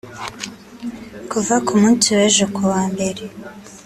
Kuva ku munsi w’ejo kuwa mbere